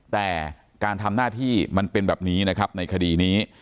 แต่การทำหน้าที่มันเป็นแบบนี้นะครับในคดีนี้